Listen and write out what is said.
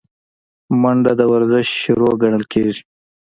منډه د ورزش شروع ګڼل کېږي